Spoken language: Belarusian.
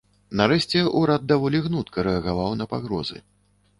Нарэшце, урад даволі гнутка рэагаваў на пагрозы.